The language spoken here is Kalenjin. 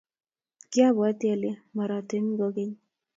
kiabwatii ale marotin kokeny